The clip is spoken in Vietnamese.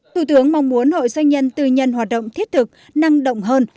thủ tướng mong muốn hội doanh nhân tư nhân hoạt động thiết thực năng động hơn